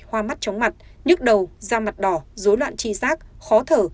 hoa mắt chóng mặt nhức đầu da mặt đỏ dối loạn chi giác khó thở